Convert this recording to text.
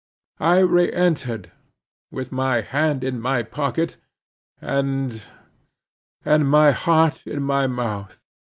I re entered, with my hand in my pocket—and—and my heart in my mouth.